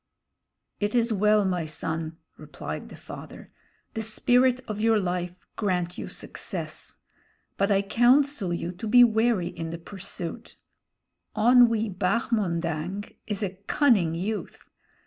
"It is well, my son," replied the father; "the spirit of your life grant you success. But I counsel you to be wary in the pursuit. Onwee Bahmondang is a cunning youth.